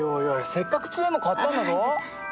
せっかくつえも買ったんだぞ。